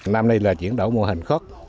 năm nay là chiến đấu mùa hành khốc